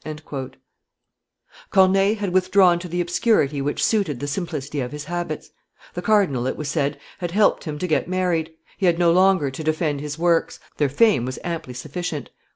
Corneille had withdrawn to the obscurity which suited the simplicity of his habits; the cardinal, it was said, had helped him to get married; he had no longer to defend his works, their fame was amply sufficient.